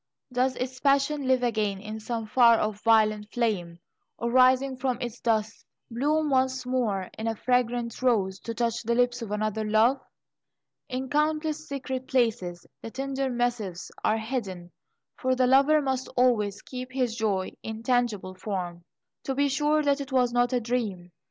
Does its passion live again in some far off violet flame, or, rising from its dust, bloom once more in a fragrant rose, to touch the lips of another love? In countless secret places, the tender missives are hidden, for the lover must always keep his joy in tangible form, to be sure that it was not a dream.